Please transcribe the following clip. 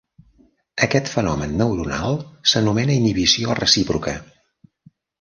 Aquest fenomen neuronal s'anomena inhibició recíproca.